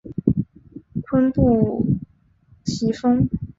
坤布崎峰